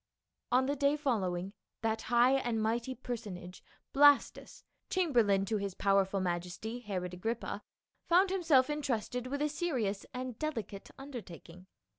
On the day following, that high and mighty person age, Blastus, chamberlain to his powerful majesty, Herod Agrippa, found himself entrusted with a serious and delicate undertaking.